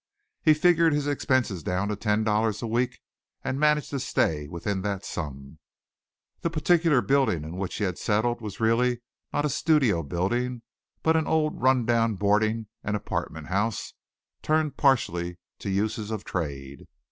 He figured his expenses down to ten dollars a week and managed to stay within that sum. The particular building in which he had settled was really not a studio building but an old, run down boarding and apartment house turned partially to uses of trade.